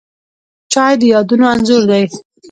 چای د یادونو انځور دی